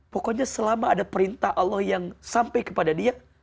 pokoknya selama ada perintah allah yang sampai kepada dia